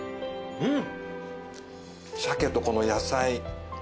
うん。